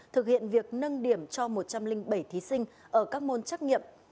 thực hiện việc nâng điểm cho một trăm linh bảy thí sinh ở các môn trắc nghiệm